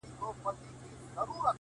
له ډيره وخته مو لېږلي دي خوبو ته زړونه _